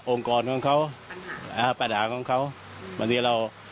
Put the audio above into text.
โองกรของเขาปัญหาของเขา